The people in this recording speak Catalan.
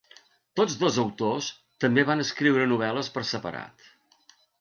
Tots dos autors també van escriure novel·les per separat.